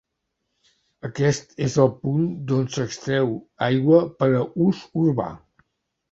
Aquest és el punt d'on s'extreu aigua per a ús urbà.